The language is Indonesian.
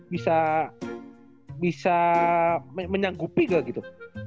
bisa menyangkupi gak gitu